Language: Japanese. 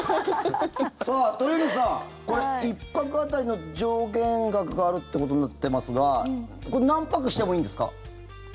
鳥海さんこれ、１泊当たりの上限額があるということになっていますがこれ、何泊してもいいんですか？